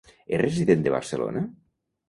És resident de Barcelona?